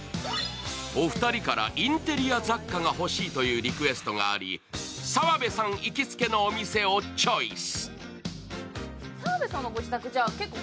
お二人からインテリア雑貨が欲しいというリクエストがあり、澤部さん行きつけのお店をチョイス。